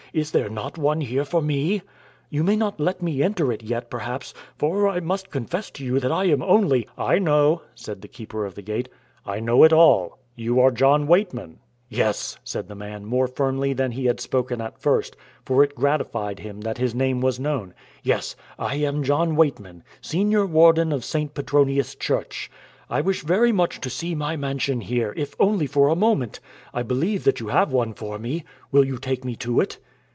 "Is there not one here for me? You may not let me enter it yet, perhaps, for I must confess to you that I am only " "I know," said the Keeper of the Gate "I know it all. You are John Weightman." "Yes," said the man, more firmly than he had spoken at first, for it gratified him that his name was known. "Yes, I am John Weightman, Senior Warden of St. Petronius' Church. I wish very much to see my mansion here, if only for a moment. I believe that you have one for me. Will you take me to it?"